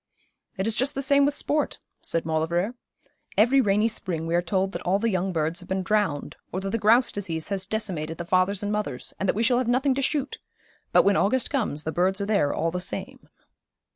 'It is just the same with sport,' said Maulevrier. 'Every rainy spring we are told that all the young birds have been drowned, or that the grouse disease has decimated the fathers and mothers, and that we shall have nothing to shoot; but when August comes the birds are there all the same.'